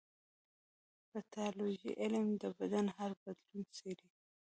د پیتالوژي علم د بدن هر بدلون څېړي.